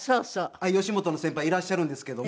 吉本の先輩いらっしゃるんですけども。